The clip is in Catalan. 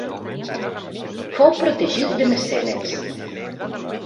Fou protegit de Mecenes.